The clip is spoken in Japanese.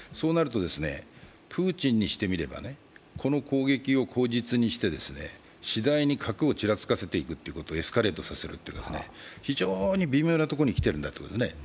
そうなると、プーチンにしてみればこの攻撃を口実にしてしだいに核をちらつかせることをエスカレートさせるっていう、非常に微妙なところに来ているんだということですね。